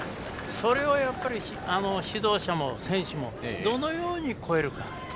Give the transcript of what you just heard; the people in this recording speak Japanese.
それを、指導者も選手もどのように超えるか。